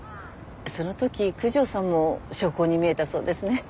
そのとき九条さんも焼香にみえたそうですね。